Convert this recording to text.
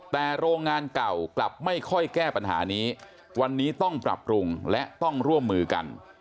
แต่โรงงานเก่ากลับไม่ค่อยแก้ปัญหานี้วันนี้ต้องปรับปรุงและต้องร่วมมือกัน